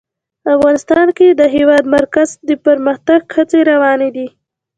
افغانستان کې د د هېواد مرکز د پرمختګ هڅې روانې دي.